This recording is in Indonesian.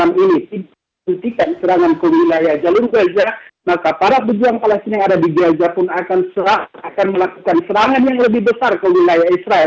ketika serangan ke wilayah jalur gaza maka para pejuang palestina yang ada di gaza pun akan melakukan serangan yang lebih besar ke wilayah israel